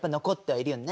いるよね。